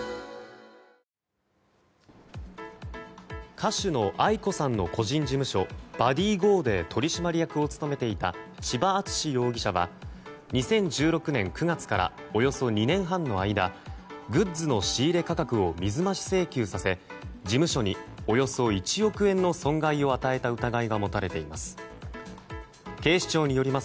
歌手のａｉｋｏさんの個人事務所、ｂｕｄｄｙｇｏで取締役を務めていた千葉篤史容疑者は２０１６年９月からおよそ２年半の間グッズの仕入れ価格を水増し請求させ事務所におよそ１億円の損害を与えた疑いが持たれています。